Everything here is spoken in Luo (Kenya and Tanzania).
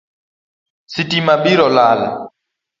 Sitima biro to lal